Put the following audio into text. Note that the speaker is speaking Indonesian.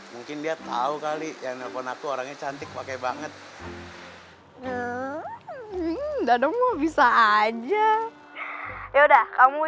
mungkin dia tahu kali ya nelpon aku orangnya cantik pakai banget dademu bisa aja yaudah kamu